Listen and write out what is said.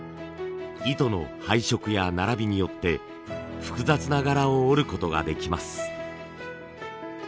糸の配色や並びによって複雑な柄を織ることができます。